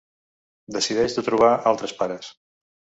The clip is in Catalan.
Decideix de trobar altres pares…